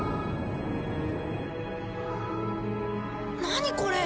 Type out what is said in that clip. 何これ！